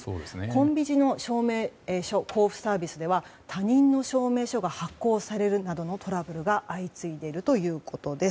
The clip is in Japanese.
コンビニの証明書交付サービスでは他人の証明書が発行されるなどのトラブルが相次いでいるということです。